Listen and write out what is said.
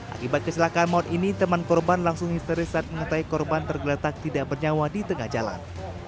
akibat kecelakaan maut ini teman korban langsung histeris saat mengetahui korban tergeletak tidak bernyawa di tengah jalan